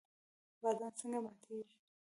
بادام څنګه ماتیږي؟